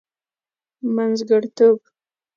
منځګړتوب.